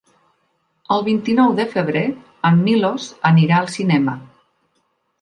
El vint-i-nou de febrer en Milos anirà al cinema.